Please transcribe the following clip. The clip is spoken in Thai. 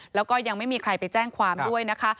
แล้วก็ยังไม่มีใครไปแจ้งความด้วยนะคะ